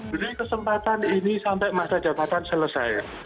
beri kesempatan ini sampai masa jabatan selesai